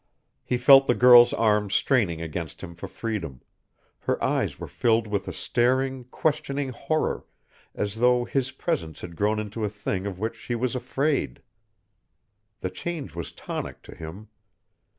He felt the girl's arms straining against him for freedom; her eyes were filled with a staring, questioning horror, as though his presence had grown into a thing of which she was afraid. The change was tonic to him.